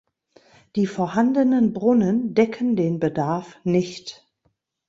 Die vorhandenen Brunnen decken den Bedarf nicht.